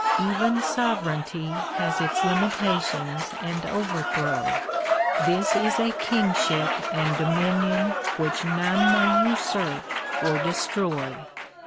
Even sovereignty has its limitations and over throw; this is a kingship and dominion which none may usurp or destroy.